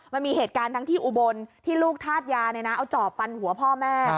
มันมีเหตุการณ์ทั้งที่อุบลที่ลูกธาตุยาเอาจอบฟันหัวพ่อแม่